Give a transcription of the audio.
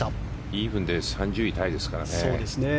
イーブンで３０位タイですからね。